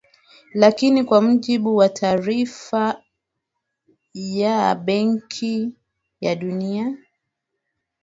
Lakini kwa mujibu wa taarifaya Benki ya Dunia